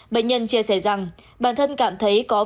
bệnh nhân chia sẻ rằng bản thân cảm thấy có vấn đề